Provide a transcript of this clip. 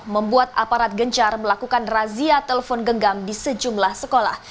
membuat aparat gencar melakukan razia telepon genggam di sejumlah sekolah